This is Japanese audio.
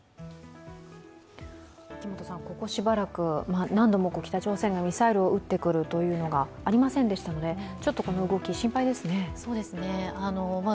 ここしばらく何度も北朝鮮がミサイルを撃ってくるというのがありませんでしたので、ちょっとこの動き、心配ですね。